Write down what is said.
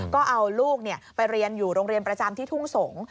ก็เอาลูกไปเรียนอยู่โรงเรียนประจำที่ทุ่งสงศ์